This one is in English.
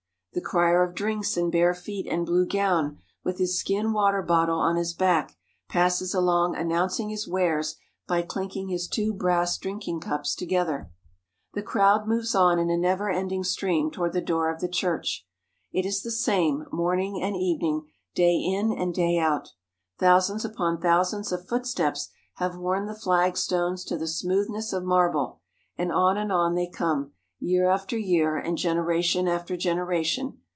The crier of drinks in bare feet and blue gown, with his skin water bottle on his back, passes along announcing his wares by clinking his two brass drinking cups together. The crowd moves on in a never ending stream toward the door of the church. It is the same, morning and evening, day in and day out. Thousands upon thou sands of footsteps have worn the flag stones to the smooth ness of marble, and on and on they come, year after year and generation after generation.